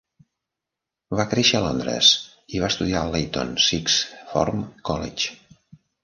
Va créixer a Londres i va estudiar al Leyton Sixth Form College.